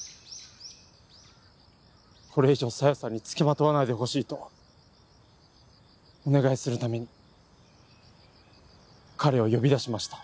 これ以上沙代さんにつきまとわないでほしいとお願いするために彼を呼び出しました。